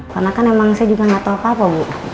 karena kan emang saya juga nggak tahu apa apa bu